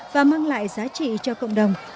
và mang lại giá trị cho cộng đồng